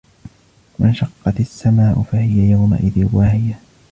وَانشَقَّتِ السَّمَاء فَهِيَ يَوْمَئِذٍ وَاهِيَةٌ